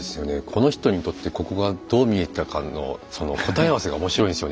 この人にとってここがどう見えてたかのその答え合わせが面白いんですよね